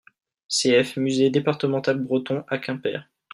Cf. Musée départemental Breton à Quimper.